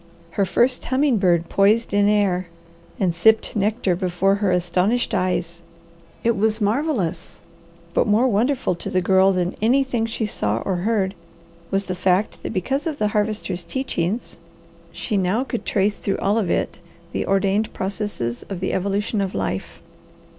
Her first humming bird poised in air, and sipped nectar before her astonished eyes. It was marvellous, but more wonderful to the Girl than anything she saw or heard was the fact that because of the Harvester's teachings she now could trace through all of it the ordained processes of the evolution of life.